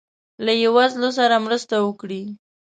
له یی وزلو سره مرسته وکړي